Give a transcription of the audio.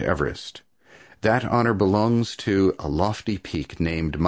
Everest, that honor belonging to a lofty peak named Mt.